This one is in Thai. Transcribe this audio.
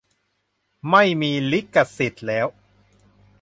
ไม่มีลิขสิทธิ์แล้ว